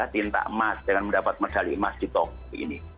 tintak emas dengan mendapat medali emas di top ini